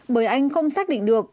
bởi anh không xác định được